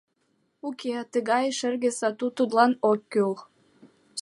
Уке, тыгай шерге сату тудлан ок кӱл.